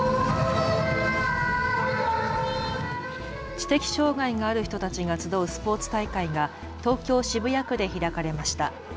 知的障害がある人たちが集うスポーツ大会が東京渋谷区で開かれました。